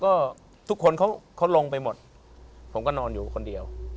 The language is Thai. ก็ทุกคนเขาลงไปหมดผมก็นอนอยู่คนเดียว